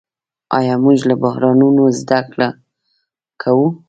آیا موږ له بحرانونو زده کړه کوو؟